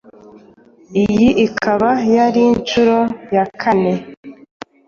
iyi ikaba yari inshuro ya kane